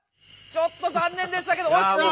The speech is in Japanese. ちょっと残念でしたけど惜しくも。